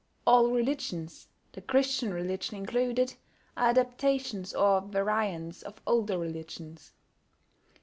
All religions, the Christian religion included, are adaptations or variants of older religions.